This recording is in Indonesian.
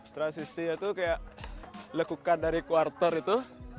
transisinya itu kayak lekukan dari quarter itu